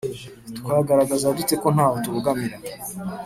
Twagaragaza dute ko nta ho tubogamira